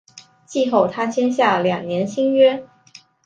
季后他签下两年新约。